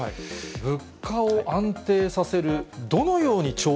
物価を安定させる。